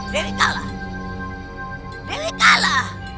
dewi kala dewi kala